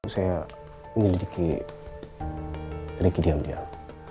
saya menyelidiki lagi diam diam